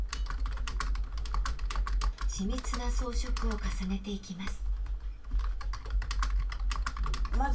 緻密な装飾を重ねていきます。